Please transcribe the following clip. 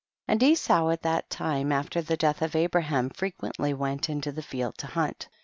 1 . And Esau at that time, after the death of Abraham, frequently went in the field to hunt.